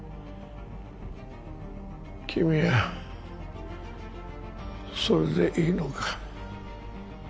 君はそれでいいのか？